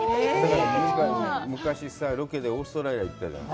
だから、昔さぁ、ロケでオーストラリアに行ったじゃん。